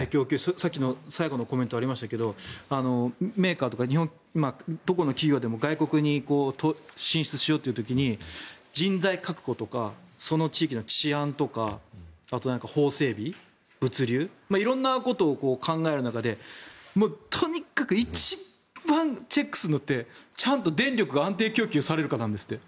さっきの最後のコメントがありましたけどメーカーとか、どこの企業でも外国に進出しようという時に人材確保とかその地域の治安とかあと、法整備、物流色んなことを考える中でとにかく一番チェックするのってちゃんと電力が安定供給されるかなんですって。